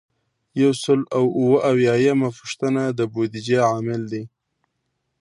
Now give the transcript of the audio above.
یو سل او اووه اویایمه پوښتنه د بودیجې عامل دی.